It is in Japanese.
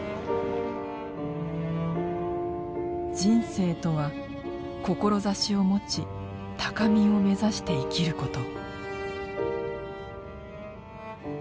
「人生」とは志を持ち高みを目指して生きること。